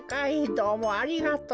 どうもありがとう。